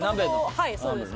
はいそうです。